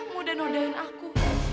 kamu udah nuodain aku